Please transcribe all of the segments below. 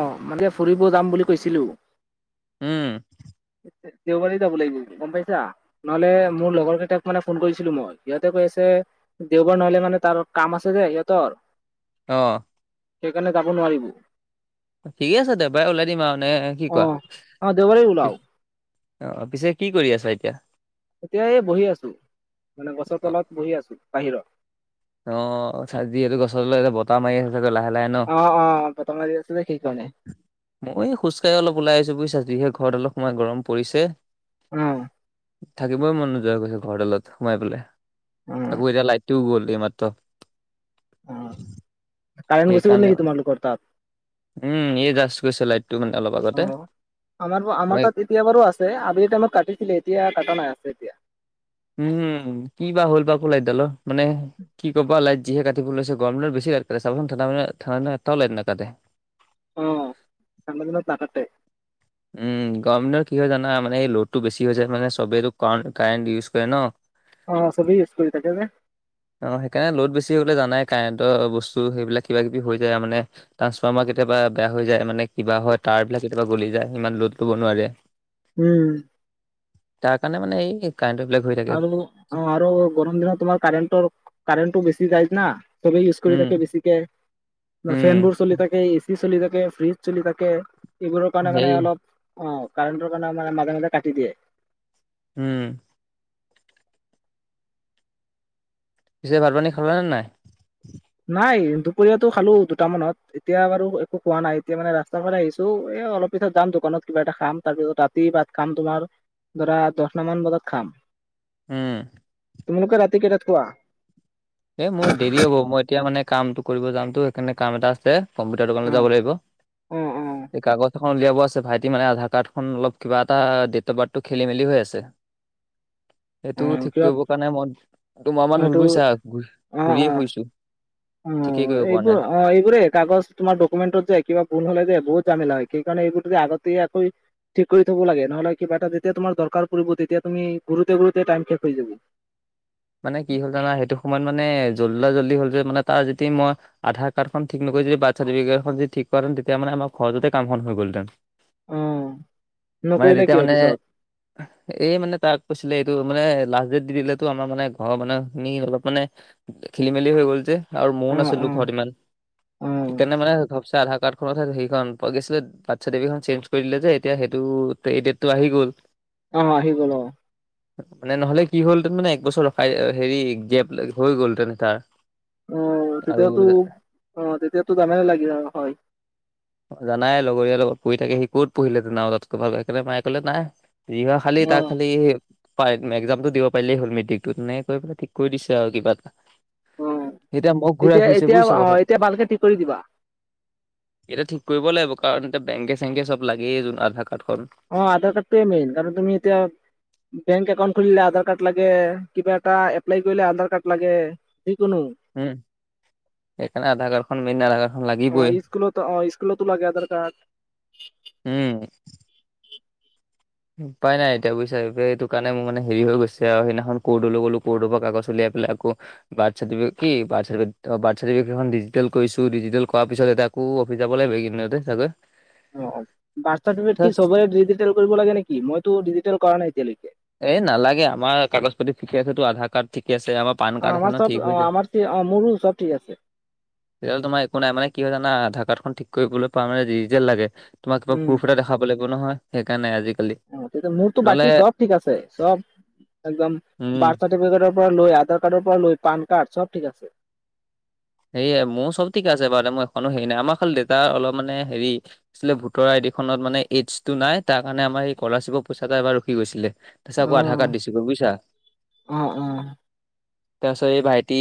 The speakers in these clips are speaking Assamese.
অ', মানে ফুৰিব যাম বুলি কৈছিলোঁ। উম দেওবাৰে যাব লাগিব গম পাইছা নহ'লে মোৰ লগৰ কেইটাক মানে ফোন কৰিছিলোঁ মই সিহঁতে কৈ আছে দেওবাৰ নহলে মানে তাৰ কাম আছে যে সিহঁতৰ অ'। সেইকাৰণে যাব নোৱাৰিব। ঠিকেইে আছে দেওবাৰে ওলাই দিম আৰু নে কি অ কোৱা? অ দেওবাৰে ওলাও অ', পিছে কি কৰি আছা এতিয়া? এতিয়াই বহি আছোঁ, মানে গছৰ তলত বহি আছোঁ বাহিৰত। অ', যিহেতু গছৰ তলত এতিয়া বতাহ মাৰি আছে চাগে লাহে, লাহে। ন অ', অ' বতাহ মাৰি আছে যে সেইকাৰণে। মই খোজকাঢ়ি অলপ ওলাই আহিছোঁ বুজিছা, যিহে ঘৰৰ ডালত সোমাই গৰম পৰিছে। উম। থাকিবই মন নোযোৱা হৈ গৈছে ঘৰডালত সোমাই পেলাই, অ আকৌ এতিয়া লাইটটোও গ'ল এইমাত্ৰ। অ', কাৰেণ্ট গুচি গ'ল সেইকাৰণে নেকি তোমাৰ লোকৰ তাত? উম, এই জাষ্ট কৰিছে লাইটটো মানে অলপ অ আগতে আমাৰ আমাৰ মই তাত এতিয়া বাৰু আছে আবেলি টাইমত কাটিছিলে এতিয়া কটা নাই আছে এতিয়া। উম, কিবা হ'ল বা লাইটদালৰ মানে কি কবা লাইট যিহে কাটিব লৈছে, গৰম দিনত বেছি লাইট কাতে চাবাচোন, ঠাণ্ডা দিনত এটাও লাইট নাকাটে। অ', ঠাণ্ডা দিনত নাকাটে। উম, গৰম কি হয় জানা মানে এই লোডটো বেছি হৈছে মানে চবেই কাৰেণ্ট ইউজ কৰে ন। অ', চবেই ইউজ কৰি থাকে যে। অ', সেইকাৰণে ল'ড বেছি হ'লে জানাই কাৰেণ্টৰ বস্তু সেইবিলাক কিবা কিবি হৈ যায় আৰু মানে ট্ৰাঞ্চফ্মাৰ কেতিয়াবা বেয়া হৈ যায় মানে কিবা হয়, তাৰ বিলাক কেতিয়াবা গলি যায় সিমান লোড লব নোৱাৰে। [inaudible] উম। তাৰ কাৰণে মানে এই কাৰেণ্ট বেলেগ হয় আৰু, অ', আৰু গৰম দিনত তোমাৰ কাৰেণ্টৰ কাৰেণ্টটো বেছি যায় না। চবে ইউজ কৰি উম, থাকে বেছিকে বা ফেন উম, বোৰ চলি থাকে। চলি থাকে, ফ্ৰিজ চলি থাকে এইবোৰৰ কাৰণে মানে হেৰি অলপ অ', কাৰেণ্টৰ মানে মাজে, মাজে কাতি দিয়ে। উম। পিছে ভাত, পানী খালা নে নাই? নাই দুপৰীয়াাতটো খালোঁ দুটামানত, এতিয়া বাৰু একো খোৱা নাই এতিয়া মানে ৰাস্তাৰ ফালে আহিছোঁ এ অলপ তাৰ পিছত যাম দোকানত কিবা এটা খাম, তাৰপিছত ৰাতি ভাত খাম তোমাৰ ধৰা দহটা মান বজাত খাম। উম। তোমালোকে ৰাতি কেইটাত খোৱা? এ, মোৰ দেৰি হ'ব মই এতিয়া মানে কামটো কৰিব যামতো সেইকাৰণে কাম এটা আছে। কম্পিউটাৰ দোকানলৈ অ যাব লাগিব অ অ এই কাগজ উলিয়াব আছে ভাইটি মানে আধাৰ কাৰ্ডখন অলপ কিবা এটা ডট অফ বাৰ্থ খেলি মেলি হৈ আছে। অ সেইটো ঠিক কিবা কৰিব কাৰণে মই দুমাহ মান এইটো হ'ল বুজিছা। অ ঘূৰিয়ে অ ফুৰিছোঁ ঠিকেই অ', কৰিব পৰা এইবোৰ নাই। অ', এই বোৰেই কাগজ তোমাৰ ডকুমেণ্টৰ যে কিবা ভুল হ'লে যে বহুত জামালা হয় সেই কাৰণে এইবোৰ তুমি আগতিয়াকৈ ঠিক কৰি থব লাগে নহ'লে কিবা এটা যেতিয়া তোমাৰ দৰকাৰ পৰিব তেতিয়া তুমি ঘূৰোতে ঘূৰোতে টাইম শেষ হৈ যাব। মানে কি হ'ল জানা সেইটো সময়ত মানে জল্ডা-জল্দি হ'ল যে মানে তাৰ যদি মই আধাৰ কাৰ্ডখন ঠিক নকৰি যদি বাৰ্ড চাৰটিফিকেটখন ঠিক কৰাহেঁতেন তেতিয়া মানে আমাৰ সহজতেই কাম খন হৈ গ'লহেঁতেন। অ', মানে নকৰিলে তেতিয়া কি হ'ব মানে পিছত? এই মানে তাক কৈছিলে এইটো মানে লাষ্ট ডেট দি দিলেটো আমাৰ মানে অ', মানে তুমি অলপ মানে খেলি মেলি হৈ গ'ল যে। আৰু ময়ো অ', নাচিলোঁ অ', ঘৰত ইমান, অ', সেইকাৰণে মানে ঘপচে আধাৰ কাৰ্ডখনতহে হেৰিখন পোৱা গৈছিলে। বাৰ্থ চাৰ্টিফিকেটখন চেঞ্জ কৰি দিলে যে এতিয়া সেইটো দেটটো আহি গ'ল। অ' আহি গ'ল অ'। মানে নহ'লে কি হ'লহেঁতেন মানে এক বছৰ হেৰি গেপ হৈ গ'ল হেতেনে তাৰ। অ' আৰু তেতিয়াতো অ' তেতিয়াতো জামেলা লাগিলে হয়। জানাই লগৰ লগত পৰি থাকে, সি ক'ত পঢ়িলেহেঁতেন, আৰু তাতকৈ ভাল, সেইকাৰণে মায়ে ক'লে নাই। যি হয় খালি তাৰ অ', খালি পাৰি, এক্সামটো দিব পাৰিলেই হ'ল মেট্ৰিকটোত, এনেকে কৈ পেলাই ঠিক কৰি দিছে আৰু কিবা এটা। অ' এতিয়া মোক ঘূৰাই এতিয়া ফুৰিছে এতিয়া বুজিছা অ' কথাটো এতিয়া ভালকে ঠিক কৰি দিবা। এতিয়া ঠিক কৰিব লাগিব কাৰণ এতিয়া বেংকে চেংকে চব লাগেই যোন আধাৰ কাৰ্ডখন। অ' আধাৰ কাৰ্ডটোৱে মেইন কাৰণ তুমি এতিয়া বেংক একাউণ্ট খুলিলে আধাৰ কাৰ্ড লাগে, কিবা এটা এপ্লাই কৰিলে আধাৰ কাৰ্ড লাগে। যিকোনো। উম, এইকাৰনে আধাৰ কাৰ্ডখন মেইন, আধাৰ কাৰ অ' স্কুল অ' স্কুলতো লাগে আধাৰ কাৰ্ড। উম। উপাই নাই এতিয়া বুজিছা, এইটো কাৰণে মোৰ মানে হেৰি হৈ গৈছে আৰু সেইদিনাখন ক'ৰ্ডলৈ গ'লো ক'ৰ্ডৰপৰা কাগজ উলিয়াই পেলাই আকৌ বাৰ্থ চাৰ্টিফিক কি বাৰ্থ চাৰ্টিফিকে অ' বাৰ্থ চাৰ্টিফিকেটখন ডিজিটেল কৰিছোঁ, ডিজিটেল কৰাৰ পিছত এটা কো অফিচ যাব লাগিব এইকেইদিনতে চাগৈ। অ' বাৰ্থ চাৰ্টিফিকেট চবৰে ডিজিটেল কৰিব লাগে নেকি? মইতো ডিজিটেল কৰা নাই এতিয়ালৈকে। এ, নালাগে, আমাৰ কাগজ পাতি ঠিকে আছেতো, আধাৰ কাৰ্ড ঠিকে আছে আমাৰ পান কাৰ্ড আছে অমাৰ ন চব ঠিক হৈ অ' যায় আমাৰ, মোৰো চব ঠিক আছে। তেতিয়াহ'লে তোমাৰ একো নাই, মানে কি হয় জানা আধাৰ কাৰ্ডখন ঠিক কৰিবলৈ পা মানে ডিজিটেল লাগে। তোমাক কিবা উম। প্ৰোফ এটা দেখাব লাগিব নহয়, সেইকাৰণে আজিকালি, অ', তেতিয়া মোৰতো নহ'লে বাকী চব ঠিক আছে, চব একদম উম বাৰ্থ চাৰ্টিফিেটকৰপৰা লৈ, আধাৰ কাৰ্ডৰপৰা লৈ, পান কাৰ্ড চব ঠিক আছে। সেয়া মোৰো চব ঠিকে আছে বাৰু, মই এখনো হেৰি নাই। আমাৰ খালি দেউতাৰ অলপ মানে হেৰি আছিলে ভোটৰ আইডিখত মানে এইছটো নাই, তাৰকাৰণে আমাৰ স্কলাৰশ্বিপৰ পইচা এটা এবাৰ ৰখি গৈছিলে। তাৰপিছত আকৌ আধাৰ অ', কাৰ্ড দিছোঁ। বুজিছা? অ', অ'। তাৰপিছত এই ভাইটি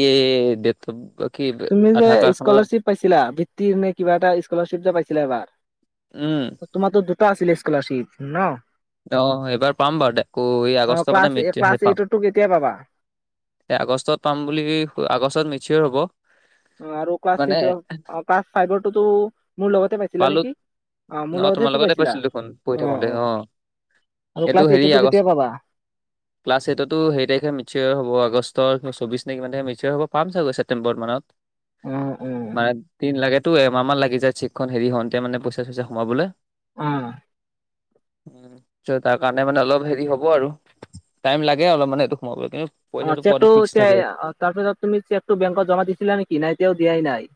দে কি তুমি যে আধাৰ কাৰ্ডখনৰ স্কলাৰশ্বিপ পাইছিলা, ভিত্তিৰ নে কিবা এটা স্কলাৰশ্বিপ যে পাইছিলা এবাৰ উম। তোমাৰতো দুটা আছিলে স্কলাৰশিপ ন'? অ' এইবাৰ পাম বাৰু দে, আকৌ এই অ', আগষ্ট মানে ক্লাছ মেট হেৰি ক্লাছ পাম। এইটতো কেতিয়া পাবা? এ, আগষ্টত পাম বুলি, আগষ্টত মিচয়াৰ হ'ব। আৰু ক্লাছ টি মানে ক্লাছ ফাইভৰটোতো মোৰ লগতে পাইছিলা পালো নেকি। অ' মোৰ অ' তোমাৰ লগতেতো লগতে পাইছিলা। পাইছিলো দেখোন পঢ়ি থাকোতে অ' আৰু এইটো ক্লাছ হেৰি এইটতো আগ কেতিয়া পাবা? ক্লাছ এইটৰতো হেৰি তাৰিখে মেচয়্যুৰ হ'ব, আগষ্টৰ চৌব্বছ তাৰিখমান কিমান হেৰি হ'ব, পাম চাগৈ ছেপটেম্বৰ মানত। অ অ মানে তিন লাগে টো এমাহ মান লাগি যায় চেকখন হেৰি হওঁতে মানে পইচা চইচা সোমাবলৈ। অ'। উম, তাৰকাৰণে মানে অলপ হেৰি হ'ব আৰু টাইম লাগে অলপ মানে সেইটো সোমাবলৈ কিন্তু অ' পইচাটো পোৱাটো চেকটো ফিক্স থাকে। তাৰপিছত তুমি চেকটো বেংকত জমা দিছিলা নেকি, নাই এতিয়াও দিয়াই নাই?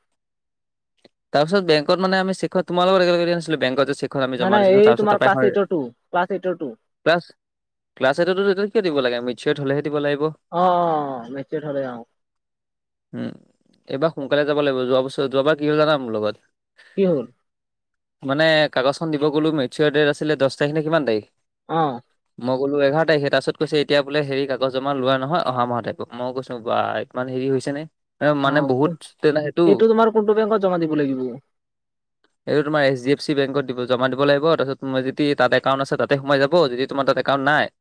তাৰপিছ বেংকত মানে আমি চেকৰ তোমাৰ লগত একেলগে দিয়া নাছিলোঁ বেংকত যে চেক খন আমি নাই জমা নাই দিছিলোঁ এই তাৰপিছত তোমাৰ তাৰপা ক্লাছ এইটৰটো ক্লাছ এইটৰটো ক্লাছ, ক্লাছ এইটতো সেইটো কিয় দিব লাগে, মিচয়্যুৰ হ'লেহে দিব লাগিব। অ', অ' মেচিয়ৰ হ'লে অ'। উম, এইবাৰ সোনকালে যাব লাগিব, যোৱা বছৰ যোৱাবাৰ কি হ'ল জানা মোৰ লগত? কি হ'ল? মানে কাগজখন দিব গ'লো মেটচিঅ'ৰ ডেট আছিল দহ তাৰিখ নে কিমান তাৰিখ অ'। মই গ'লো এঘাৰ তাৰিখে, তাৰপাছত কৈছে এতিয়া বোলে হেৰি কাগজ লোৱা নহয় অহা মাহ'ত আহিব। মই কৈছো বাই মানে হেৰি হৈছে নে এ অ মানে বহুত তে সেইটো এইটো তোমাৰ কোনটো বেংকত জমা দিব লাগিব? [unintelligible] এইটো তোমাৰ এইচ ডি এফ চি বেংকত দিব জমা দিব লাগিব, তাৰপাছত তোমৰ যদি তাত একাউণ্ট আছে তাতে সোমাই যাব। যদি তোমাৰ তাত--ে কাউণ্ট নাই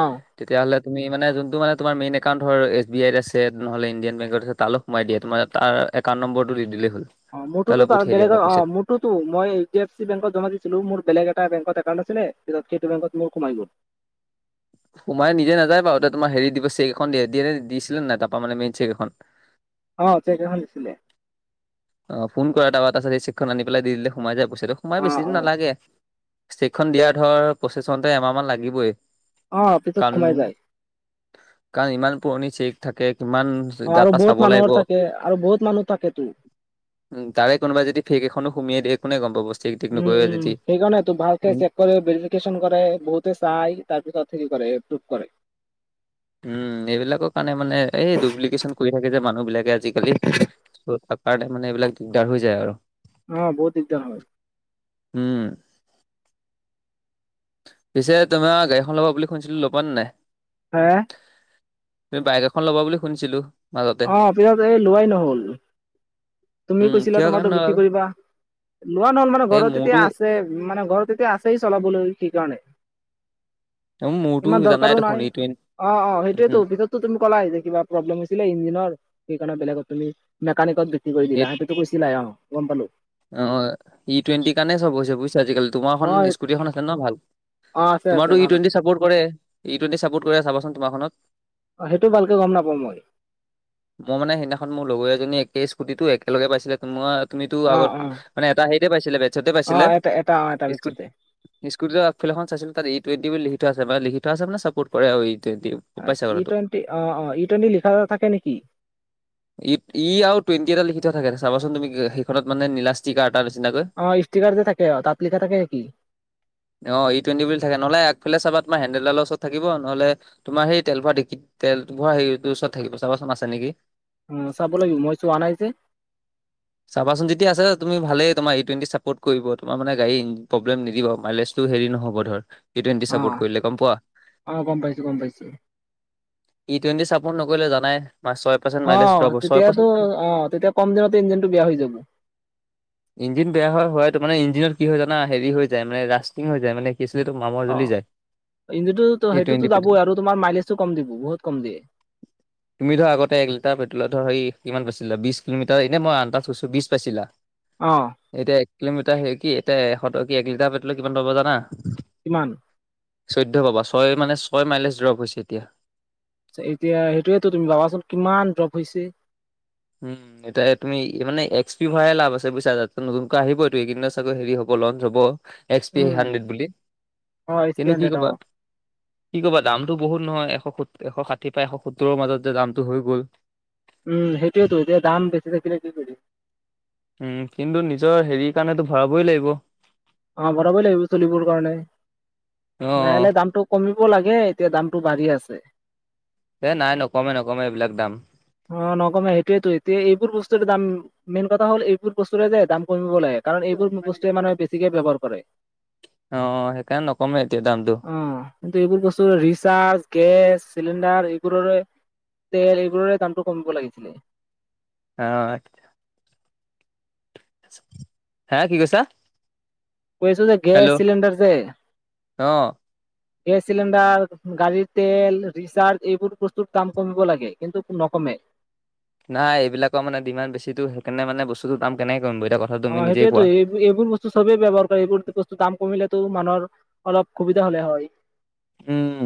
অ'। তেতিয়াহ'লে তুমি মানে যোনটো মানে তোমাৰ মেইন একাউণ্টৰ এছ বি আইত আছে নহ'লে ইণ্ডিয়ান বেংকত আছে তালৈ সোমাই দিয়ে, তোমাৰ তাৰ এউণ্ট নম্বৰটো দি দিলেই হ'ল। অ' মোৰতোটো তালৈ তাৰ পঠিয়াই দিয়া মানে বেলেগৰ অহ পইচাটো মোৰতোটো, মই এইচ ডি এফ চি বেংকত জমা দিছিলো, মোৰ বেলেগ এটা বেংকত একাউণ্ট আছিলে, পাছত সেইটো বংকত মোৰ সোমাই গ'ল। সোমাই নিজে নাযাই বাৰু তোমাৰ হেৰি দিব চেক এখন দিয়ে দিছিলে নাই তাৰপা মানে মেইন চেক এখন? অ' চেক এখন দিছিলে। অ' ফোন কৰা তাৰ পৰা তাৰপাছতেই চেকখন আনি পেলাই দি দিলে সোমাই যায় পইছাটো, সোমাই অ বেছি অ দিন নালাগে। ষ্টেকখন দিয়াৰ ধৰ প্ৰচেছ হওঁতে এমাহমান লাগিবই। অ পিছত কাৰণ সোমাই যায় কাৰণ ইমান পুৰণি চেক থাকে, কিমান অ' আৰু ডাটা চাব বহুত লাগিব মানুহৰ থাকে আৰু বহুত মানুহ থাকেতো উ তাৰে কোনোবাই যদি ফেক এখনো সুমিয়াই দিয়ে কোনে গ'ম পাব, চে'ক টে'ক উম নকৰে উম যদি? সেইকাৰণেতো ভালকে চেক কৰে ভেৰিফিকেশ্যন কৰে বহুতে চাই তাৰপিছত অ' কি কৰে এপ্ৰুভ কৰে। উম এইবিলাকৰ কাৰণে মানে এই ডুপ্লিকেশ্যচন কৰি থাকে যে মানুহ বিলাকে আজিকালি। ত' তাৰ কাৰণে মানে এইবিলাক দিগদাৰ হৈ যায় আৰু। অ' বহুত দিগদাৰ হয়। উম। পিছে তোমাৰ গাড়ী এখন ল'বা বুলি শুনিছিলো ল'বা নে নাই? হে'। তুমি বাইক এখন ল'বা বুলি শুনিছিলো? মাজতে অ' পিছত এই লোৱাই নহ'ল। তুমি উম কৈছিলা কিহৰ কাৰণে তোমাৰতো বিক্ৰী ল'লা? কৰিবা? লোৱা নহ'ল মানে এই ঘৰত তেতিয়া মোৰতো আছে মানে ঘৰত তেতিয়া আছে। আছেই চলাবলৈ সেই কাৰণে। মোৰ মোৰতো ইমান জানাই দৰকাৰো দেখোন নাই। ই টুৱেন অ' অ' উম সেইটোয়েতো পিছত তুমি ক'লাই যে কিবা প্ৰব্লেম হৈছিলে ইঞ্জিনৰ সেই কাৰণে বেলেগত তুমি মোকানিকত কৰি এই দিলা সেইটোতো কৈছিলাই, অ' গ'ম পালো। অ', ই টুৱেণ্টিৰ কাৰণে চব হৈছে বুজিছা আজিকালি। তোমাৰ এখন অ স্কুটি এখন আছিলে ন ভাল। অ আছে আছে তোমাৰতো ই ভাল আছে টুৱেণ্টি চাপৰ্ট কৰে? ই টুৱেণ্টি ছাপৰ্ট কৰেনে চাবাচোন তোমাৰখনত? অ', সেইটো ভালকে গ'ম নাপাওঁ মই। মই মানে সেইদিনাখন মোৰ লগৰীয়াজনী একেই স্কুটি টো একেলগে পাইছিলে তোমাৰ তুমিতো অ আগত অ মানে এটা হেৰিতে পাইছিলে বেটছতে অ পাইছিলে, এটা এটা অ এটা স্কুট পিছতে স্কুটি আগফাল এখন চাইছিল তাত ই টুৱেন্টি বুলি লিখি থোৱা আছে লিখি থোৱা আছে মানে চাপৰ্ট কৰে আৰু ই টুৱেন্টি। ই টুৱেণ্টি অ' অ' ই টুৱেণ্টি লিখা থাকে নেকি? ই আৰু টুৱেণ্টি এটা লিখি থাকে চাবচোন তুমি সেইখনত মানে নীলা ষ্টিকাৰ এটাৰ নিচিনাকৈ। অ', ষ্টিকাৰ যে থাকে তাত লিখা থাকে নেকি? অ', ই টুৱেটি বুলি থাকে। নহ'লে আগফালে চাবা তোমাৰ হেণ্ডেলদালৰ ওচৰত থাকিব। নহলে তোমাৰ সেই তেল ভৰোৱা দিক-তেল ভৰোৱা হেৰিটোৰ ওচৰত থাকিব চাবাচোন আছে নেকি? অ', চাব লাগিব মই চোৱা নাই যে। চাবাচোন যেতিয়া আছে তুমি ভালেই তোমাৰ ই টুৱেণ্টি চাপৰ্ট কৰিব তোমাৰ মানে গাড়ী প্ৰব্লেম নিদিব। মাইলেজ টো হেৰি নহ'ব ধৰ, ই টুৱেণ্টি অ চাপোৰ্ট কৰিলে গম পোৱা। অ গম পাইছো গম পাইছো ই টুৱেণ্টি চাপৰ্ট নকৰিলে জানাই, [unintelligible] অ', ড্ৰপ হয়, ছয় তেতিয়াতো পাৰ্চেণ্ট অ', তেতিয়া কম দিনতে ইঞ্জিনটো বেয়া হৈ যাব। ইঞ্জিন বেয়া হয় হয়টো, মানে ইঞ্জিনত কি হয় জানা, হেৰি হৈ যায় মানে ৰাষ্টিং হৈ যায় মানে [unintelligible] মামৰ জ্বলি অ', যায়। ইঞ্জিনটো ই সেইটোতো টুৱেণ্টি পেট্ৰল যাবই আৰু তোমাৰ মাইলেজটো কম দিব, বহুত কম দিয়ে। তুমি ধৰা আগতে, এক লিটাৰ পেট্ৰলত ধৰ সেই কিমান পাইছিলা বিশ কিলোমিটাৰ এনে মই অন্তাজ কৈছোঁ, বিছ পাইছিলা। অ'। এতিয়া, এক কিলোমিটাৰ হেৰি কি, এতিয়া এশ টকীয়া এক লিটাৰ পেট্ৰ'লে কিমান পাব জানা। কিমান? চৈধ্য পাবা। ছয় মানে, ছয় মাইলেছ ড্ৰ'প হৈছে এতিয়া। এতিয়া, সেইটোয়ো তুমি ভাবাচোন কিমান ড্ৰপ হৈছে। উম। এতিয়া তুমি মানে, এক্স পি ভৰাই লাভ আছে বুজিছা, নতুনকৈ আহিবই এইকেইদিনত চাগৈ হেৰি হ'ব লঞ্চ হ'ব। এক্স পি উম হাণ্ড্ৰেড বুলি, অ এইচ থ্ৰী কিন্তু কি হাণ্ড্ৰেড অ ক'বা কি ক'বা, দামটো বহুত নহয় এশ এশ ষাঠি পৰা এশ সত্তৰৰ মাজত যে দামটো হৈ গ'ল। উম। সেইটোয়েতো এতিয়া দাম বেছি থাকিলে কি কৰিম। উম, কিন্তু নিজৰ হেৰি কাৰণেতো ভৰাবই লাগিব। অ', ভৰাবই লাগিব চলিবৰ কাৰণে। অ', লাহে-লাহে দামটো কমিব লাগে, এতিয়া দামটো বাঢ়ি আছে। এ নাই নকমে, নকমে এইবিলাক দাম। অ', নকমে সেইটোয়েতো এতিয়া এইবোৰ বস্তুৰে দাম মেইন কথা হ'ল, এইবোৰ বস্তুৰে যে দাম কমিব লাগে। কাৰণ এইবোৰ বস্তুৱে মানুহে বেছিকে ব্যৱহাৰ কৰে। অ', সেইকাৰণে নকমে এতিয়া দামটো। অ', কিন্তু এইবোৰ বস্তুৰ ৰিচাৰ্জ, গেছ চিলিণ্ডাৰ এইবোৰৰে তেল এইবোৰৰে দামটো কমিব লাগিছিলে। [unintelligible] হে কি কৈছা? কৈছোঁ যে, গেছ হেল্ল' চিলিণ্ডাৰ যে অ'। গেছ চিলিণ্ডাৰ, গাড়ীৰ তেল, ৰিচাৰ্জ এইবোৰ বস্তুৰ দাম কমিব লাগে কিন্তু নকমে। নাই এইবিলাকৰ মানে ডিমাণ্ড বেছিটো, সেইকাৰনে মানে বস্তুটো দাম কেনেকে কৰিম এতিয়া কথা অ', সেইটোয়েতো এই এইবোৰ বস্তু চবেই ব্যৱহাৰ কৰে, এইবোৰ বস্তু দাম কমিলেতো মানুহৰ অলপ সুবিধা হ'লে হয়। উম।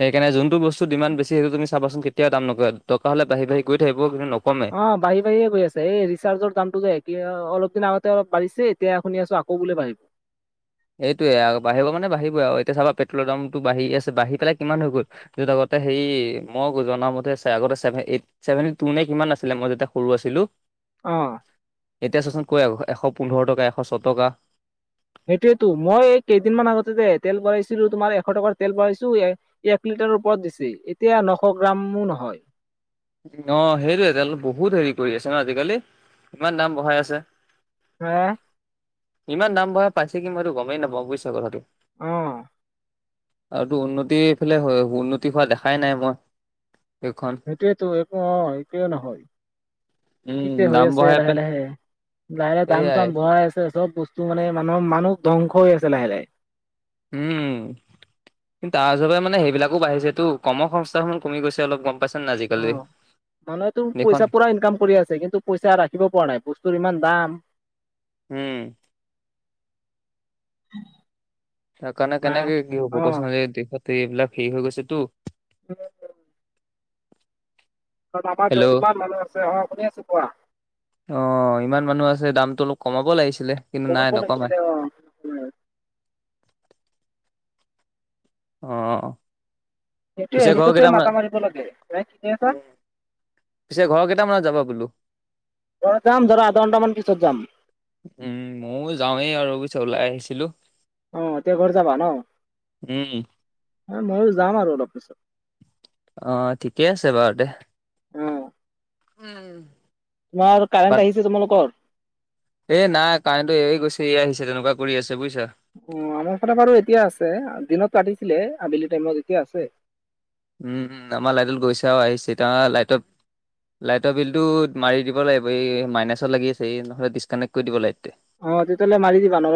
সেইকাৰনে যোনটো বস্তু ডিমাণ্ড বেছি সেইতো তুমি চাবাচোন কেতিয়াও দাম নকমে। দৰকাৰ হ'লে বাঢ়ি, বাঢ়ি গৈ থাক কিন্তু নকমে। অ', বাঢ়ি, বাঢ়িয়ে গৈ আছে এই ৰিচাৰ্জৰ দামটো যে এতিয়া অলপ দিন আগতে অলপ বাঢ়িছে, এতিয়া শুনি আছোঁ আকৌ বোলে বাঢ়িব। এইটোৱে বাঢ়িব মানে বাঢ়িবই আৰু, এতিয়া পেট্ৰ'লৰ দামটো বাঢ়ি আছে, বাঢ়ি পেলাই কিমান হৈ গ'ল। য'ত আগতে হেৰি মই জনা মতে, আগতে চেভে এইট চছেভেনটি টু নে কিমান আছিলে, মই যেতিয়া সৰু আছিলো। অ'। এতিয়া চোৱাচোন কৈ, এশ পোন্ধৰ টকা, এশ ছয় টকা। সেইটোৱেতো, মই এই কেইদিনমান আগতে যে তেল ভৰাইছিলো, তোমাৰ এশ টকাৰ তেল ভৰাইছো এ এক লিটাৰৰ ওপৰত দিছিল, এতিয়া নশ গ্ৰামো নহয়। অ', সেইটোৱেতো, তেলটো বহুত হেৰি কৰি আছে ন' আজিকালি, ইমান দাম বঢ়াই আছে। [unintelligible] ইমান দাম বঢ়াই পাইছে কি, মই এইটো গ'মেই নাপাওঁ বুজিছা কথাটো। অ'। আৰুতো উন্নতি, এইফালে উন্নতি হোৱা দেখাই নাই মই দেশখন। সেইটোৱেটো [unintelligible] একো নহয়। উম, কি যে হৈ দাম আছে বঢ়াই পে লাহে লাহে, লাহে লাহে সেইয়াই দাম-চাম বঢ়াই আছে চব বস্তু তো মানে মানুহ মানুহ ধ্বংস হৈ আছে লাহে লাহে। উম। কিন্ত তাৰ হিচাপে মানে সেইবিলাকো বাঢ়িছেটো। কৰ্ম সংস্থাখন কমি গৈছে অলপ গ'ম পাইছ অ মানুহেতো পইচা পুৰা ইনকাম কৰি আছে, কিন্তু পইচা ৰাখিব পৰা নাই বস্তুৰ ইমান দাম। উম। [unintelligible] তাৰ কাৰণে হা কেনেকে কি হ'ব ক'চোন? দেশত এইবিলাক হেৰি হৈ গৈছেতো। [unintelligible] আমাৰ হেল্ল' [unintelligible] কিমান মানুহ আছে অ' শুনি আছো কোৱা। অ ইমান মানুহ আছে দামটো অলপ কমাব লাগিছিলে। কিন্তু নাই কমাব নকমাই। লাগিছিলে অ। অ। সেইটোৱে পিছে ঘৰ সেইটোতে কেইটামান মাতা মাৰিব লাগে, এনাই ঠিকে আছা? পিছে ঘৰ কেইটামানত যাব বুলু? ঘৰত যাম ধৰা আধা ঘণ্টামান পিছত যাম। উম ময়োও যাওঁৱেই আৰু পিছে ওলাই আহিছিলো। অ এতিয়া ঘৰত যাবা ন, উম, ময়ো যাম আৰু অলপ পিছত। অ ঠিকে আছে বাৰু দে। অ উম। তোমাৰ পাত কাৰেণ্ট আহিছে তোমালোকৰ? এ নাই কাৰেনটো এয়ে গৈছে, এয়া আহিছে, তেনেকুৱা কৰি আছে বুজিছা। অ আমাৰ ফালে বাৰু এতিয়া আছে। দিনতো কাটিছিলে আবেলি টাইমত এতিয়া আছে। উম উম আমাৰ লাইটত গৈছে আহিছে এতিয়া লাইটত লাইটৰ বিলটো মাৰি দিব লাগিব, এই মাইনাচত লাগি আছে। এই নহ'লে ডিচকানেক্ট কৰি দিব লাইটতোই। অ তেতিয়াহ'লে মাৰি দিবা। নহ